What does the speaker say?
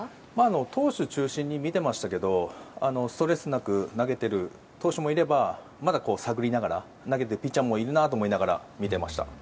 投手中心に見ていましたけどストレスなく投げている投手もいればまだ探りながら投げているピッチャーもいるなと思いながら見ていました。